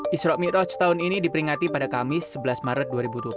israq mi'raj tahun ini diperingati pada kamis sebelas maret dua ribu dua puluh satu